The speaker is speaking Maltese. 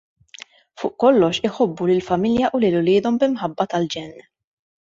Fuq kollox iħobbu lill-familja u lil uliedhom b'imħabba tal-ġenn.